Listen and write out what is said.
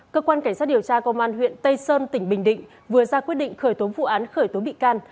cơ quan cảnh sát điều tra công an huyện tây sơn tỉnh bình định vừa ra quyết định khởi tố vụ án khởi tố bị can